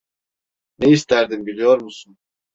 Ne isterdim biliyor musun?